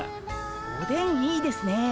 おでんいいですね。